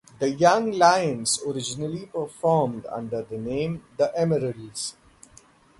The Young Lions originally performed under the name, the Emeralds.